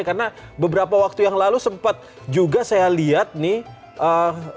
karena beberapa waktu yang lalu sempat juga saya lihat nih